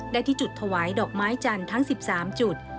ที่จุดถวายดอกไม้จันทร์ทั้ง๑๓จุด